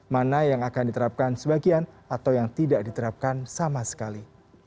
mana yang akan diterapkan sebagian atau yang tidak diterapkan sama sekali